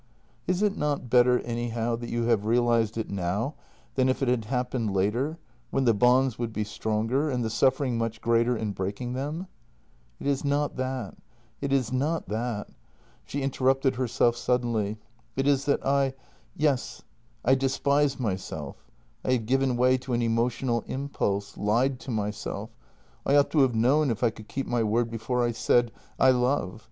" Is it not better anyhow that you have realized it now than if it had happened later, when the bonds would be stronger, and the suffering much greater in breaking them? "" It is not that — it is not that." She interrupted herself suddenly: "It is that I — yes — I despise myself. I have given way to an emotional impulse — lied to myself; I ought to have known if I could keep my word before I said: I love.